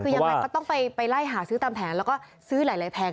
คือยังไงก็ต้องไปไล่หาซื้อตามแผงแล้วก็ซื้อหลายแผง